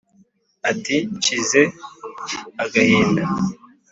ati: nshize agahinda